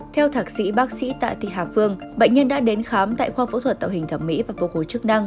theo thạc sĩ bác sĩ tạ thị hà phương bệnh nhân đã đến khám tại khoa phẫu thuật tạo hình thẩm mỹ và phục hồi chức năng